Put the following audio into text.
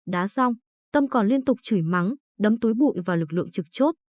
đá xong tâm còn liên tục chửi mắng đấm túi bụi vào lực lượng trực chốt